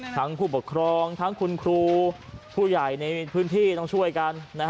ผู้ปกครองทั้งคุณครูผู้ใหญ่ในพื้นที่ต้องช่วยกัน